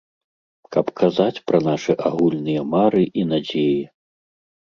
Каб казаць пра нашы агульныя мары і надзеі.